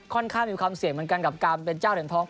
ข้ามมีความเสี่ยงเหมือนกันกับการเป็นเจ้าเหรียญทอง